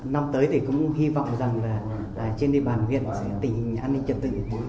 năm tới thì cũng hy vọng rằng trên địa bàn huyện sẽ tỉnh an ninh trật tự